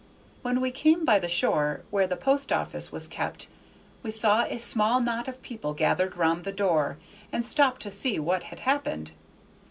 When we came by the store where the post office was kept we saw a small knot of people gathered round the door, and stopped to see what had happened.